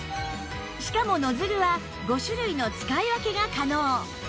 しかもノズルは５種類の使い分けが可能